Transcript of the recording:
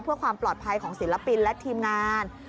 เพื่อความปลอดภัยของศิลปินและทีมงาน